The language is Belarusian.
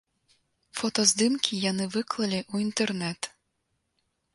Фотаздымкі яны выклалі ў інтэрнэт.